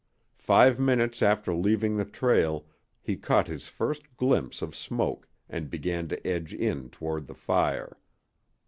Five minutes after leaving the trail he caught his first glimpse of smoke and began to edge in toward the fire.